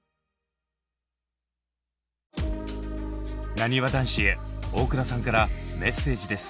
なにわ男子へ大倉さんからメッセージです。